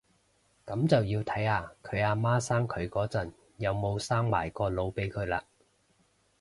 噉就要睇下佢阿媽生佢嗰陣有冇生埋個腦俾佢喇